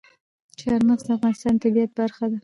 چار مغز د افغانستان د طبیعت برخه ده.